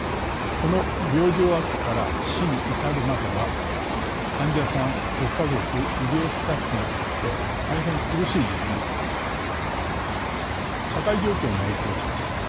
この病状悪化から死に至るまでは患者さんご家族医療スタッフにとって大変苦しい時期になります。